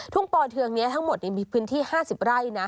ปอเทืองนี้ทั้งหมดมีพื้นที่๕๐ไร่นะ